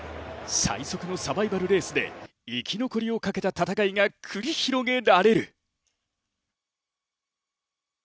最速のサバイバルレースで生き残りをかけた戦いが繰り広げられる。